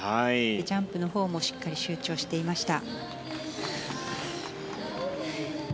ジャンプのほうもしっかり集中していました。